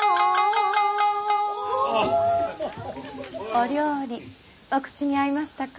お料理お口に合いましたか？